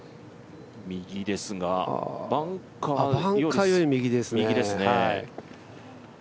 バンカーより右ですね。